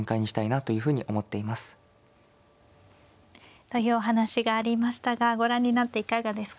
というお話がありましたがご覧になっていかがですか。